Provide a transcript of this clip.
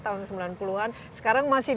tahun sembilan puluh an sekarang masih